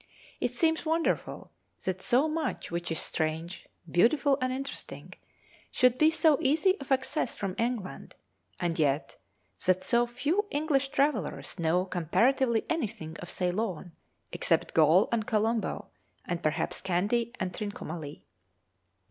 It seems wonderful that so much which is strange, beautiful, and interesting should be so easy of access from England, and yet that so few English travellers know comparatively anything of Ceylon, except Galle and Colombo, and perhaps Kandy and Trincomalee.